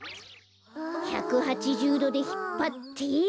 １８０どでひっぱって。